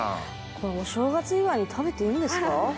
これお正月以外に食べていいんですか？